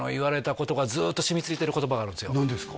何ですか？